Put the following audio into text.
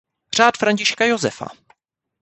Řád Františka Josefa.